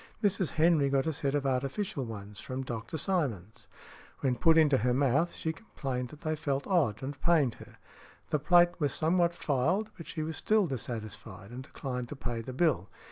Mrs. Henry got a set of artificial ones from Dr. Simonds; when put into her |168| mouth, she complained that they felt odd and pained her. The plate was somewhat filed, but she was still dissatisfied, and declined to pay the bill.